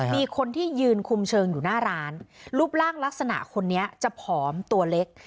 มีคนที่ยืนคุมเชิงอยู่หน้าร้านรูปร่างลักษณะคนนี้จะผอมตัวเล็ก